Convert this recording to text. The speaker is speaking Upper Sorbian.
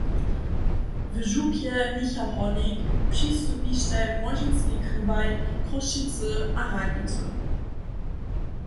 W župje “Michał Hórnik” přistupištaj młodźinskej klubaj Chrósćicy a Ralbicy.